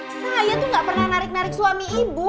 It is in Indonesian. saya tuh gak pernah narik narik suami ibu